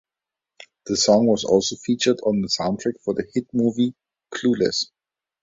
The song was also featured on the soundtrack for the hit movie Clueless.